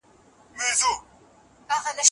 د ونو سیوري تاریک کړی وو